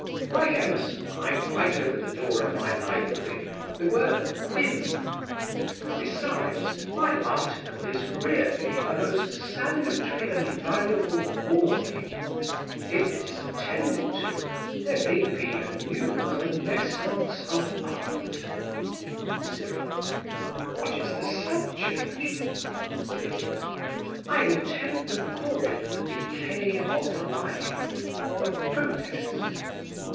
Like Emerson, I write over the door of my library the word 'Whim.' Besides, my article is really a most salutary and valuable warning. If it is attended to, there may be a new Renaissance of Art. CYRIL. What is the subject? VIVIAN. I intend to call it 'The Decay of Lying: A Protest.